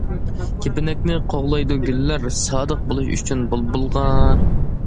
كېپىنەكنى قوغلايدۇ گۈللەر، سادىق بولۇش ئۈچۈن بۇلبۇلغا.